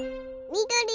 みどり？